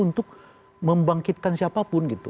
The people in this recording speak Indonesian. untuk membangkitkan siapapun gitu